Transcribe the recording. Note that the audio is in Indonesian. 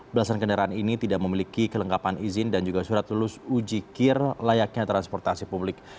belasan kendaraan ini tidak memiliki kelengkapan izin dan juga surat lulus uji kir layaknya transportasi publik